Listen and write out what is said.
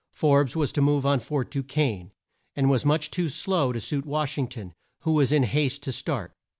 Forbes was to move on Fort Du quesne, and was much too slow to suit Wash ing ton who was in haste to start.